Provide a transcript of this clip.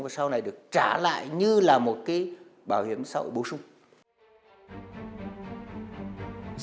và sau này được trả lại như là một cái bảo hiểm xã hội bổ sung